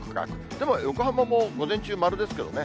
でも、横浜も午前中丸ですけどね。